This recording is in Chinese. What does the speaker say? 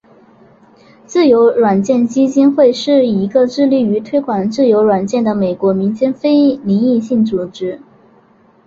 自由软件基金会是一个致力于推广自由软件的美国民间非营利性组织。